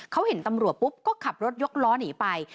เขาเห็นตำรวจปุ๊บก็ขับรถยกล้อหนีไป